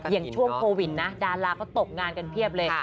อย่างช่วงโควิดนะดาราก็ตกงานกันเพียบเลย